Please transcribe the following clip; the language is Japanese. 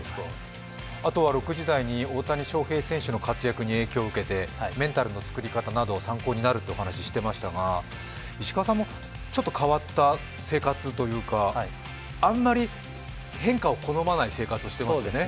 あとは６時台に、大谷翔平選手の活躍に影響を受けて、メンタルの作り方など、参考になるとお話ししてましたが、石川さんもちょっと変わった生活というか、あんまり変化を好まない生活をしていますね。